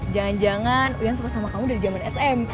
jangan jangan uyan suka sama kamu dari zaman sm